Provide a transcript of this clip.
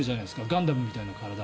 ガンダムみたいな体。